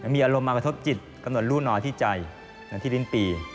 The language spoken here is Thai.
มีอารมณ์มากระทบจิตกำหนดรูน้อยที่ใจเหมือนที่ลิ้นปี